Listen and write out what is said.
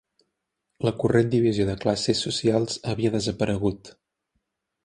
La corrent divisió de classes socials havia desaparegut